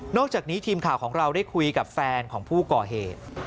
อกจากนี้ทีมข่าวของเราได้คุยกับแฟนของผู้ก่อเหตุ